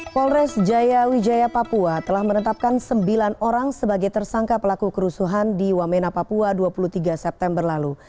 polres jaya wijaya papua telah menetapkan sembilan orang sebagai tersangka pelaku kerusuhan di wamena papua dua puluh tiga september lalu